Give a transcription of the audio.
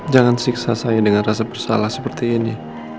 jangan siksa saya dengan rasa bersalah seperti ini